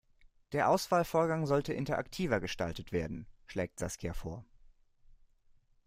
Der Auswahlvorgang sollte interaktiver gestaltet werden, schlägt Saskia vor.